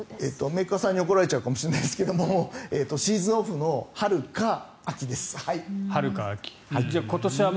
メーカーさんに怒られちゃうかもしれないですがシーズンオフの春か秋です。